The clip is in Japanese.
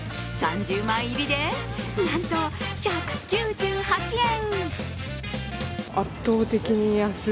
３０枚入りでなんと１９８円。